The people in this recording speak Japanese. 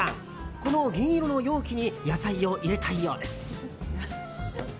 この銀色の容器に野菜を入れたいようです。